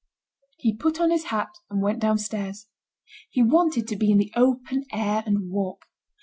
He put on his hat, and went downstairs. He wanted to be in the open air and walk.